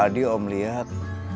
tadi om liat